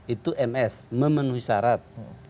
itu ms memenuhi syarat